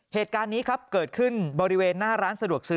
เหตุการณ์นี้ครับเกิดขึ้นบริเวณหน้าร้านสะดวกซื้อ